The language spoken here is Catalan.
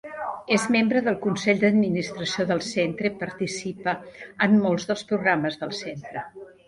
És membre del Consell d'Administració del Centre i participa en molts dels programes del centre.